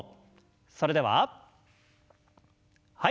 それでははい。